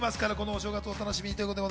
正月お楽しみに。